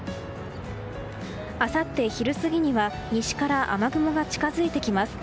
あさって昼過ぎには西から雨雲が近づいてきます。